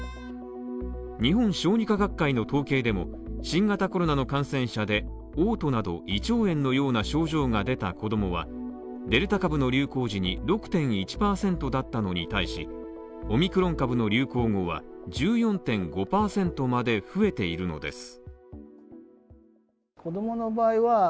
日本小児科学会の統計でも、新型コロナの感染者でおう吐など胃腸炎のような症状が出た子供は、デルタ株の流行時に６．１％だったのに対しオミクロン株の流行後は１４．５％まで増えているのです。